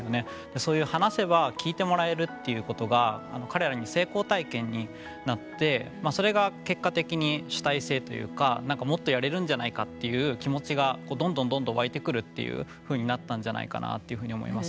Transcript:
そういう話せば聞いてもらえるっていうことが彼らの成功体験になってそれが結果的に主体性というかもっとやれるんじゃないかっていう気持ちがどんどん、どんどん湧いてくるっていうふうになったんじゃないかなっていうふうに思います。